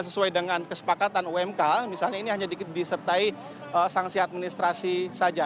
sesuai dengan kesepakatan umk misalnya ini hanya disertai sanksi administrasi saja